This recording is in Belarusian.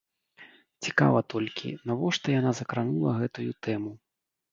Цікава толькі, навошта яна закранула гэтую тэму.